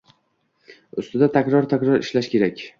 Ustida takror-takror ishlash kerak.